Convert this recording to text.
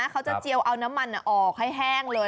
เจียวเอาน้ำมันออกให้แห้งเลย